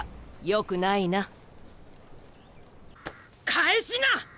返しな！